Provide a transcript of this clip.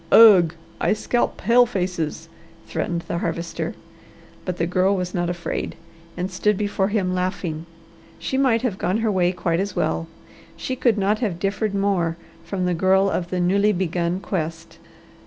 "Ugh! I scalp pale faces!" threatened the Harvester, but the girl was not afraid and stood before him laughing. She might have gone her way quite as well. She could not have differed more from the girl of the newly begun quest.